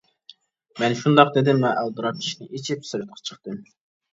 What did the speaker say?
مەن شۇنداق دېدىم ۋە ئالدىراپ ئىشىكنى ئېچىپ سىرتقا چىقتىم.